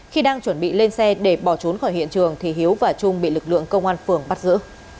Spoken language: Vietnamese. khi đang chuẩn bị lên xe để bỏ trốn khỏi hiện trường thì hiếu và trung bị lực lượng công an phường bắt giữ